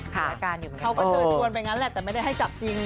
เขาก็เชิญชวนไปงั้นแหละแต่ไม่ได้ให้จับจริง